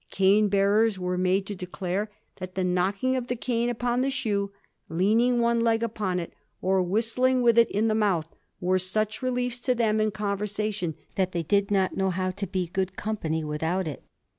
Cane bearers are made to declare that the knocking of the cane upon the shoe, leaniug one leg upon it, or whistling with it iu the mouth, were such reliefs to them in conversation that they did not know how to be good company without it.